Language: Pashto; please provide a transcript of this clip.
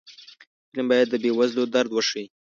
فلم باید د بې وزلو درد وښيي